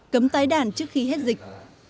cấm tái đàn trước khi hết dịch